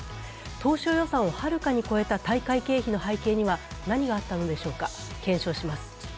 当初予算をはるかに超えた大会経費の背景には何があったのでしょうか、検証します。